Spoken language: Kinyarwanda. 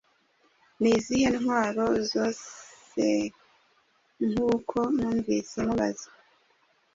Ni izihe ntwaro zosenkuko numvise mubaza